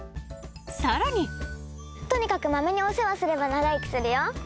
さらにとにかくまめにお世話すれば長生きするよ。